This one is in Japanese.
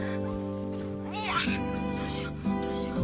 いやどうしようどうしよう。